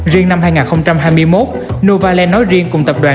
riêng năm hai nghìn hai mươi một novaland nói riêng cùng tập đoàn